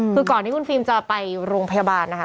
คือก่อนที่คุณฟิล์มจะไปโรงพยาบาลนะคะ